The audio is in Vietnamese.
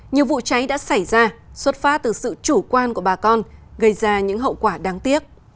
nhiều vụ cháy đã xảy ra xuất phát từ sự chủ quan của bà con gây ra những hậu quả đáng tiếc